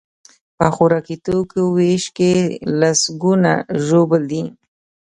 په خوراکي توکیو ویش کې لسکونه ژوبل دي.